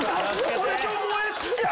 俺今日燃え尽きちゃう！